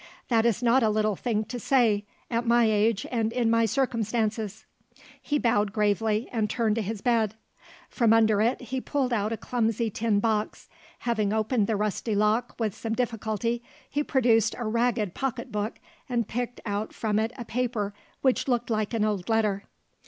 That is not a little thing to say, at my age and in my circumstances." He bowed gravely, and turned to his bed. From under it, he pulled out a clumsy tin box. Having opened the rusty lock with some difficulty, he produced a ragged pocket book, and picked out from it a paper which looked like an old letter.